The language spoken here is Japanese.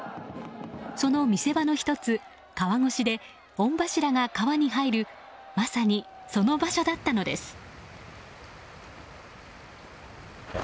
その見せ場の１つ、川越しで御柱が川に入るまさにその場所だったのです。